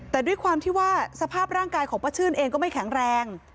แต่ด้วยความที่ว่าสภาพร่างกายของป้าชื่นเองก็ไม่แข็งแรง